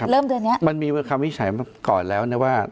เริ่มเดือนเนี้ยมันมีคำวิชัยมาก่อนแล้วเนี่ยว่า